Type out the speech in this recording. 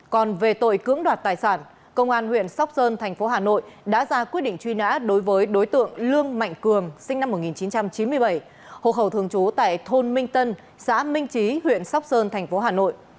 còn về tội cưỡng đoạt tài sản công an huyện sóc sơn thành phố hà nội đã ra quyết định truy nã đối với đối tượng lương mạnh cường sinh năm một nghìn chín trăm chín mươi bảy hộ khẩu thường trú tại thôn minh tân xã minh trí huyện sóc sơn thành phố hà nội